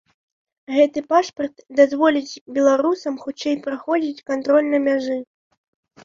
Гэты пашпарт дазволіць беларусам хутчэй праходзіць кантроль на мяжы.